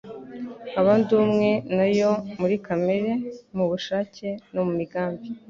nkaba ndi umwe na Yo muri kamere, mu bushake, no mu migambi.